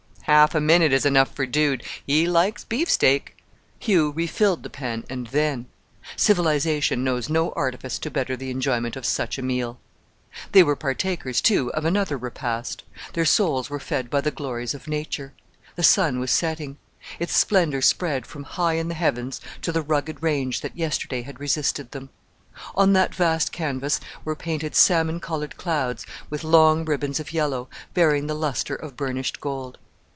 "Half a minute is enough for Dude. He likes beef steak!" Hugh refilled the pan and then civilization knows no artifice to better the enjoyment of such a meal! They were partakers, too, of another repast their souls were fed by the glories of nature: the sun was setting; its splendour spread from high in the heavens to the rugged range that yesterday had resisted them. On that vast canvas were painted salmon coloured clouds with long ribbons of yellow, bearing the lustre of burnished gold.